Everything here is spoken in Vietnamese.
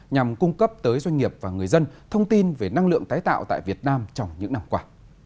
nhằm cung cấp tới doanh nghiệp và người dân thông tin về năng lượng tái tạo tại việt nam trong những năm qua